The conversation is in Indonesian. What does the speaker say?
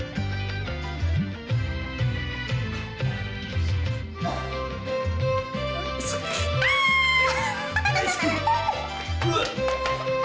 eh bangun dulu bang